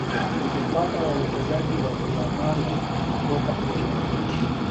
Imepata wawekezaji wa viwanada kutoka nje ya nchi